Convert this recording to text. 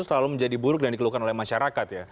selalu menjadi buruk dan dikeluhkan oleh masyarakat ya